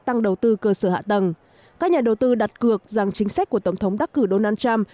tăng đầu tư cơ sở hạ tầng các nhà đầu tư đặt cược rằng chính sách của tổng thống đắc cử donald trump